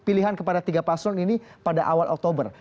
pilihan kepada tiga paslon ini pada awal oktober